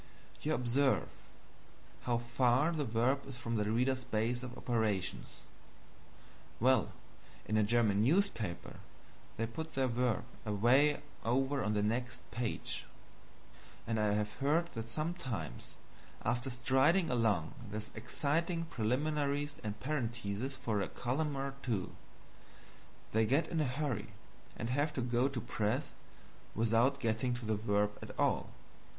You observe how far that verb is from the reader's base of operations; well, in a German newspaper they put their verb away over on the next page; and I have heard that sometimes after stringing along the exciting preliminaries and parentheses for a column or two, they get in a hurry and have to go to press without getting to the verb at all.